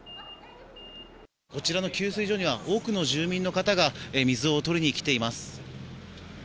こちらの給水所には多くの住民の方が水を取りに来ています。